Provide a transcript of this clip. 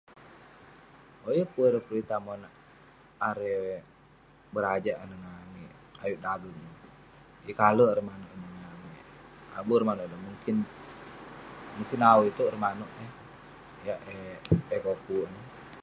Owk..yeng pun ireh peritah monak, erei...berajak ineh ngan amik ayuk dageng. Yeng kalek ireh manouk eh monak amik..abuh ireh manouk deh dak mungkin..mungkin awu itouk ireh manouk eh..Yah kunah kuk ineh..